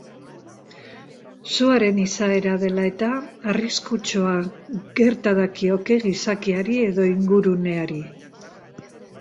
Suaren izaera dela eta, arriskutsua gerta dakioke gizakiari edo inguruneari.